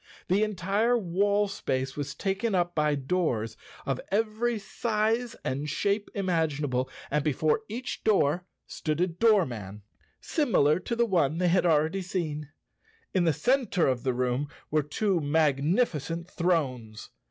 The entire wall space was taken up by doors of every size and shape imaginable and before each door 79 The Cowardly Lion of Oz stood a doorman similar to the one they had already seen. In the center of the room were two magnificent thrones.